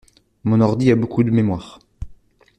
Mon ordi a beaucoup de mémoire.